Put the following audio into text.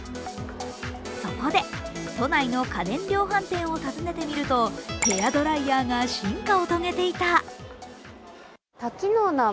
そこで都内の家電量販店を尋ねてみると、ヘアドライヤーが進化を遂げていた。